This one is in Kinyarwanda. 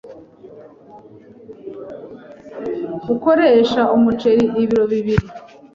ukoresha Umuceri ibiro bibiri